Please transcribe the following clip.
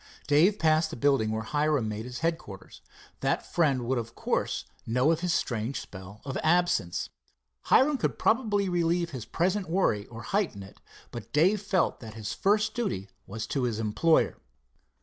Dave passed the building where Hiram made his headquarters. That friend would of course know of his strange spell of absence. Hiram could probably relieve his present worry or heighten it, but Dave felt that his first duty was to his employer.